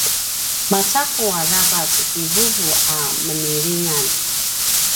maca’u aravac ti vuvu a menilingan